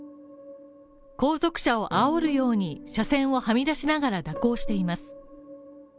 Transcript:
後続車をあおるように車線をはみ出しながら蛇行しています。